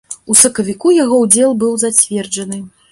У сакавіку яго ўдзел быў зацверджаны.